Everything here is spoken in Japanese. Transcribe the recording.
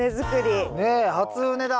ねえ初畝だ。